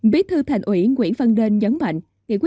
biết thư thành ủy nguyễn văn đên nhấn mạnh